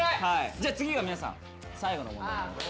じゃあ次は皆さん最後の問題になります。